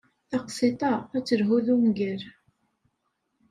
Taqsiṭ-a ad telhu d ungal.